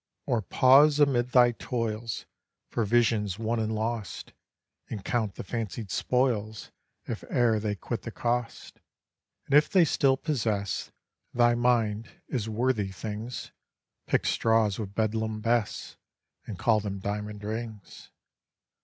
Or pause amid thy toils, For visions won and lost, And count the fancied spoils, If e'er they quit the cost; And if they still possess Thy mind, as worthy things, Pick straws with Bedlam Bess, And call them diamond rings.